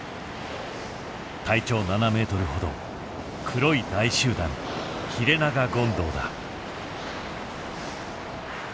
体長７ｍ程黒い大集団ヒレナガゴンドウだ。